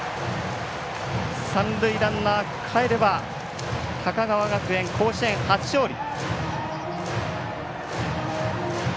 三塁ランナー、かえれば高川学園、甲子園、初勝利。